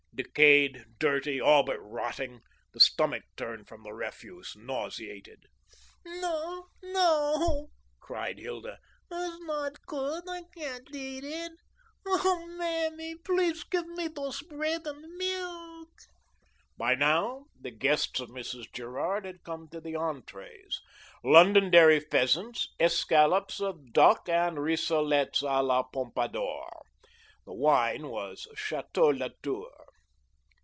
Decayed, dirty, all but rotting, the stomach turned from the refuse, nauseated. "No, no," cried Hilda, "that's not good. I can't eat it. Oh, Mammy, please gif me those bread'n milk." By now the guests of Mrs. Gerard had come to the entrees Londonderry pheasants, escallops of duck, and rissolettes a la pompadour. The wine was Chateau Latour.